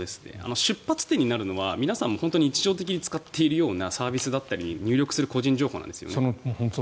出発点になるのは皆さんも日常的に使っているようなサービスだったり入力している個人情報なんですよね。